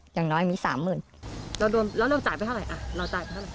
อย่างน้อยมีสามหมื่นเราโดนเราโดนจ่ายไปเท่าไหร่อ่ะ